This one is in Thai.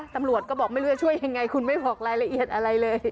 ตำรวจก็บอกไม่รู้จะช่วยยังไงคุณไม่บอกรายละเอียดอะไรเลย